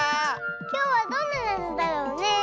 きょうはどんななぞだろうねえ。